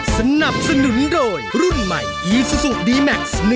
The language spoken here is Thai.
สวัสดีครับ